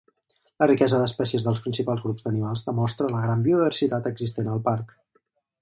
La riquesa d'espècies dels principals grups d'animals demostra la gran biodiversitat existent al Parc.